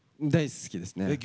大好きですね。